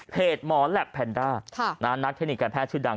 หมอแหลปแพนด้านเทคนิคการแพทย์ชื่อดัง